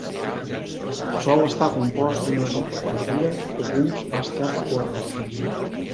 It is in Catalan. Sol estar compost d'una sopa, verdura, llegums, pasta o arròs.